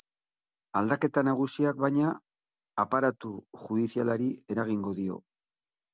Aldaketa nagusiak, baina, aparatu judizialari eragingo dio.